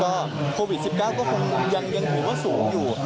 ก็โควิด๑๙ก็คงยังถือว่าสูงอยู่